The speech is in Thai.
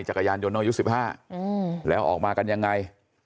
จักรยานยนต์น้องอายุ๑๕แล้วออกมากันยังไง